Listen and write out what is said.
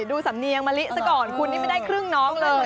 ดูศัพเณี้ยงมะลิสักก่อนคุณนี่ไม่ได้ครึ่งนอกเลย